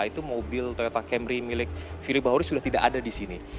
itu mobil toyota camry milik firly bahuri sudah tidak ada di sini